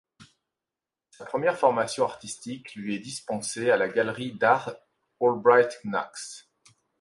Sa première formation artistique lui est dispensée à la galerie d'art Albright-Knox.